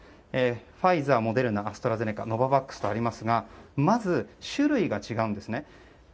ファイザー、モデルナアストラゼネカノババックスとありますがまず種類が違うんですね。